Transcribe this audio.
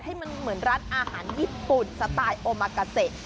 ให้มันเหมือนร้านอาหารญี่ปุ่นสไตล์โอมากาเซ